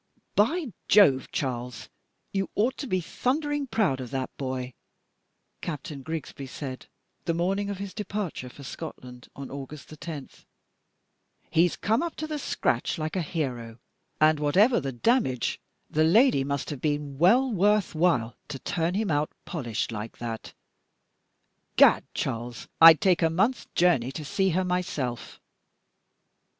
"By Jove, Charles! You ought to be thundering proud of that boy!" Captain Grigsby said the morning of his departure for Scotland on August 10. "He's come up to the scratch like a hero, and whatever the damage, the lady must have been well worth while to turn him out polished like that. Gad! Charles, I'd take a month's journey to see her myself."